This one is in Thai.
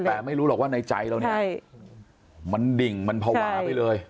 แต่ไม่รู้หรอกว่าในใจเราเนี่ยมันดิ่งมันภาวะไปเลย